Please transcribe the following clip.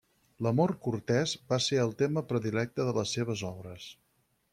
L’amor cortès va ser el tema predilecte de les seves obres.